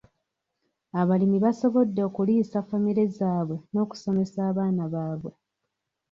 Abalimi basobodde okuliisa famire zaabwe n'okusomesa abaana baabwe.